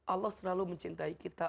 allah selalu mencintai kita